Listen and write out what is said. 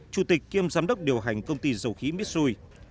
chủ tịch kiêm giám đốc điều hành công ty dầu khí mitsui